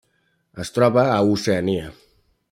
Es troba a Oceania.